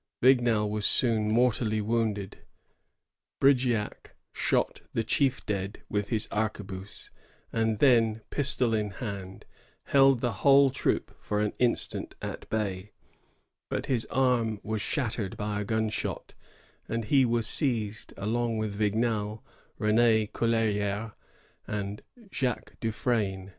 Vignal was soon mortally wounded. Brigeac shot the chief dead with his arquebuse, and then, pistol in hand, held the whole troop for an instant at bay; but his arm was shattered by a gun shot, and he was seized, along with Vignal, Ren^ Cuill^rier, and Jacques Dufresne.